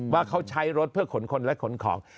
ว่าเขาใช้รถเพื่อขนคนและขนของ